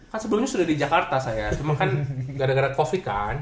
kan sebelumnya sudah di jakarta saya cuma kan gara gara covid kan